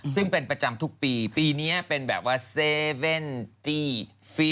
ซึ่งเป็นประจำทุกปีปีนี้เป็นแบบว่า๗๕แล้วก็คือ๗๕ปี